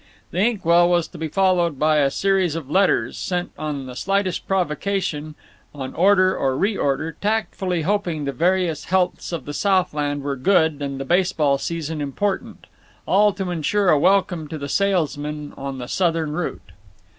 The ink well was to be followed by a series of letters, sent on the slightest provocation, on order or re order, tactfully hoping the various healths of the Southland were good and the baseball season important; all to insure a welcome to the salesmen on the Southem route.